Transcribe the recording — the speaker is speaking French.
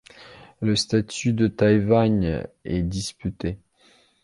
Le statut de Taïwan est disputé.